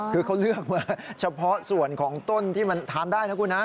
คือเขาเลือกมาเฉพาะส่วนของต้นที่มันทานได้นะคุณฮะ